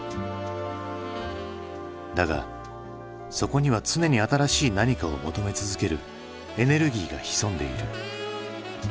だがそこには常に新しい何かを求め続けるエネルギーが潜んでいる。